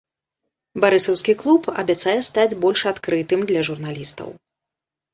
Барысаўскі клуб абяцае стаць больш адкрытым для журналістаў.